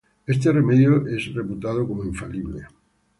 Este remedio era reputado como infalible.